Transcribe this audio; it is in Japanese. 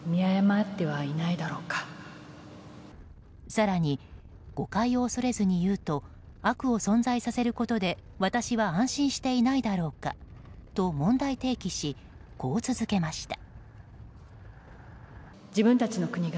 更に、誤解を恐れずに言うと悪を存在させることで私は安心していないだろうかと問題提起し、こう続けました。